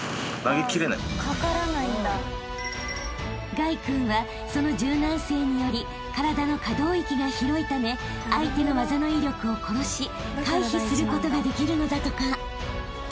［凱君はその柔軟性により体の可動域が広いため相手の技の威力を殺し回避することができるのだとか］